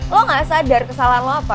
lo gak sadar kesalahan lo apa